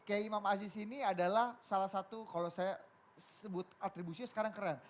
kiai imam aziz ini adalah salah satu kalau saya sebut atribusinya sekarang keren